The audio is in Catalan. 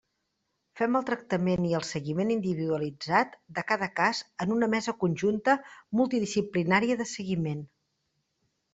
Fem el tractament i el seguiment individualitzat de cada cas en una mesa conjunta multidisciplinària de seguiment.